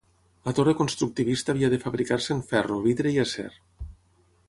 La torre constructivista havia de fabricar-se en ferro, vidre i acer.